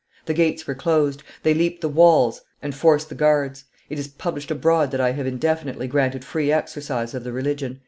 The gates were closed; they leap the walls and force the guards. It is published abroad that I have indefinitely granted free exercise of the religion."